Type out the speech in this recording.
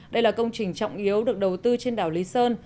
đây là công trình trọng yếu được đầu tư trên đảo lý sơn